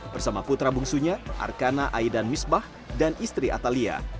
bersama putra bungsunya arkana aidan misbah dan istri atalia